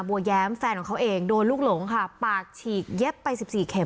แย้มแฟนของเขาเองโดนลูกหลงค่ะปากฉีกเย็บไปสิบสี่เม็